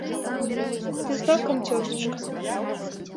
Ды з гакам, цётачка.